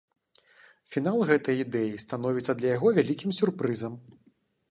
Фінал гэтай ідэі становіцца для яго вялікім сюрпрызам.